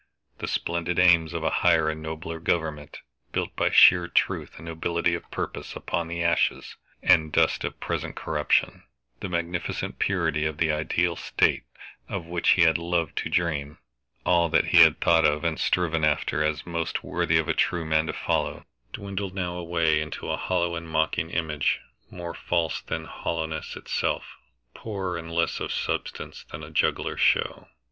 The splendid aims of a higher and nobler government, built by sheer truth and nobility of purpose upon the ashes and dust of present corruption, the magnificent purity of the ideal State of which he had loved to dream all that he had thought of and striven after as most worthy of a true man to follow, dwindled now away into a hollow and mocking image, more false than hollowness itself, poorer and of less substance than a juggler's show.